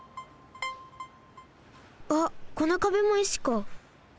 あっこのかべも石か。